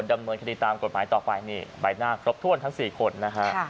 ดำเนินคดีตามกฎหมายต่อไปนี่ใบหน้าครบถ้วนทั้ง๔คนนะฮะ